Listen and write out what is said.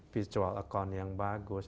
visual account yang bagus